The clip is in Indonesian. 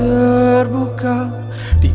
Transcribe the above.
aku mau nanggu